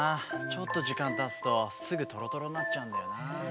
ちょっとじかんたつとすぐとろとろになっちゃうんだよな。